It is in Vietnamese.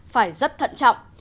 phải rất thận trọng